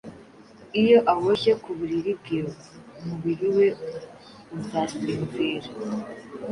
Iyo aboshye ku buriri bwe umubiri we uzasinzira